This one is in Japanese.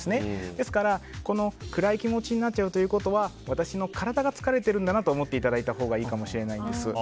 ですから、暗い気持ちになっちゃうということは私の体が疲れてるんだなと思っていただいたほうがいいかもしれないです。